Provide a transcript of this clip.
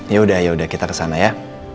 yaudah yaudah kita kesana ya